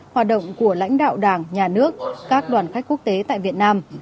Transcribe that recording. hoạt động của lãnh đạo đảng nhà nước các đoàn khách quốc tế tại việt nam